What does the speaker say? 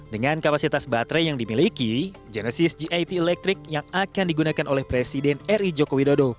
dengan kapasitas baterai yang dimiliki genesis g delapan puluh electric yang akan digunakan oleh presiden r i joko widodo